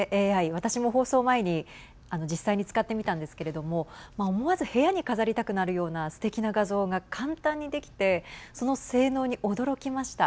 私も放送前に実際に使ってみたんですけれども思わず部屋に飾りたくなるようなすてきな画像が簡単にできてその性能に驚きました。